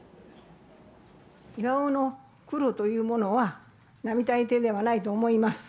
巌の苦労というものは、並大抵ではないと思います。